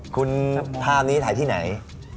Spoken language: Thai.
คุณภาพนี้ถ่ายที่ไหน